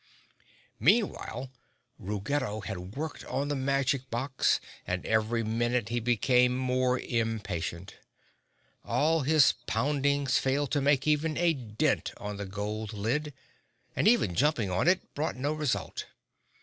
Meanwhile Ruggedo had worked on the magic box and every minute he became more impatient. All his poundings failed to make even a dent on the gold lid and even jumping on it brought no result.